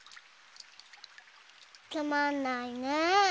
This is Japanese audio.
つまんないねぇ。